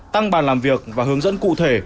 tăng bàn làm việc và hướng dẫn cụ thể